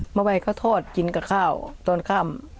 เมื่อวานเขาทอดกินกับข้าวตอนค่ำ